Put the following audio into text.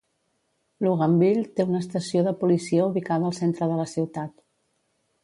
Luganville té una estació de policia ubicada al centre de la ciutat.